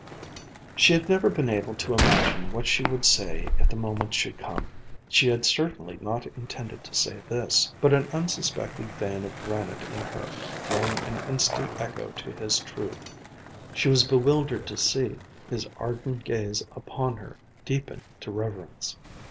She had never been able to imagine what she would say if the moment should come. She had certainly not intended to say this. But an unsuspected vein of granite in her rang an instant echo to his truth. She was bewildered to see his ardent gaze upon her deepen to reverence.